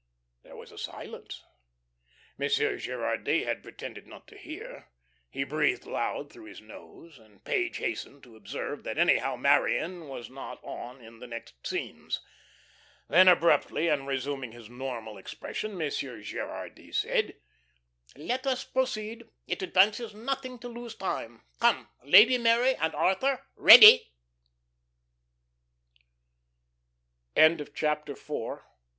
There was a silence. Monsieur Gerardy had pretended not to hear. He breathed loud through his nose, and Page hastened to observe that anyhow Marion was not on in the next scenes. Then abruptly, and resuming his normal expression, Monsieur Gerardy said: "Let us proceed. It advances nothing to lose time. Come. Lady Mary and Arthur, ready." The rehearsal continued.